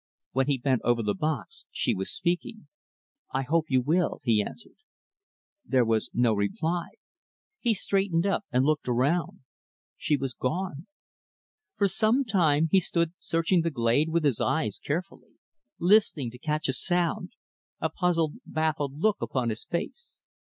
When he bent over the box, she was speaking. "I hope you will," he answered. There was no reply. He straightened up and looked around. She was gone. For some time, he stood searching the glade with his eyes, carefully; listening to catch a sound a puzzled, baffled look upon his face.